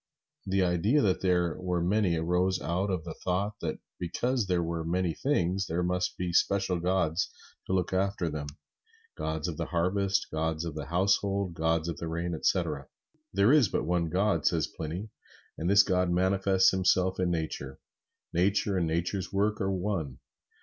The idea that there were many arose out of the thought that because there were many things, there must be special gods to look after them: gods of the harvest, gods of the household, gods of the rain, etc. There is but one God, says Pliny, and this God manifests Himself in Nature. Nature and Nature's work are one.